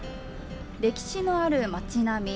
歴史のある町並み。